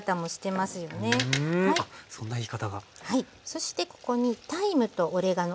そしてここにタイムとオレガノ。